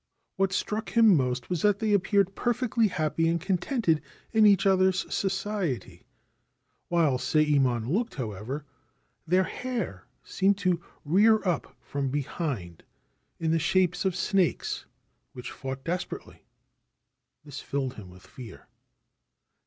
What struck him most was that they appeared perfectly happy and contented in each other's society. While Sayemon looked, however, their hair seemed to rear up from behind in the shapes of snakes which fought desperately. This filled him with fear.